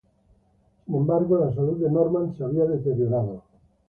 Sin embargo, la salud de Normand se había deteriorado.